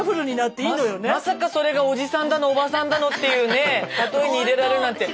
まさかそれがおじさんだのおばさんだのっていうね例えに入れられるなんて。